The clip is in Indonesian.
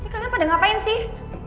ini kalian pada ngapain sih